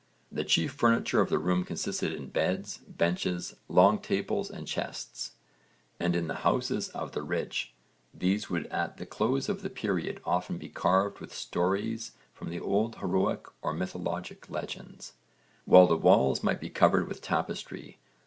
The chief furniture of the room consisted in beds, benches, long tables and chests, and in the houses of the rich these would at the close of our period often be carved with stories from the old heroic or mythologic legends, while the walls might be covered with tapestry.